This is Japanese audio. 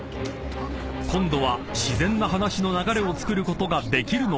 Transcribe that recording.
［今度は自然な話の流れを作ることができるのか？］